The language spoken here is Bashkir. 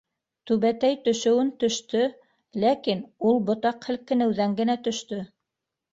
Түбәтәй төшөүен төштө, ләкин ул ботаҡ һелкенеүҙән генә төштө.